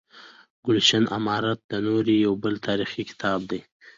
ګلشن امارت د نوري یو بل تاریخي کتاب دی.